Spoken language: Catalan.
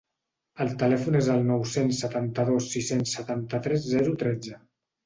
El telèfon és el nou-cents setanta-dos sis-cents setanta-tres zero tretze.